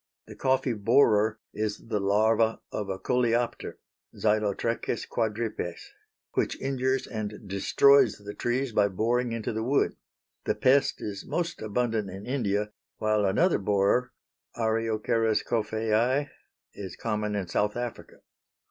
The coffee borer is the larva of a coleopter (Xylotrechus quadripes) which injures and destroys the trees by boring into the wood. The pest is most abundant in India, while another borer (Areocerus coffeæ) is common in South Africa.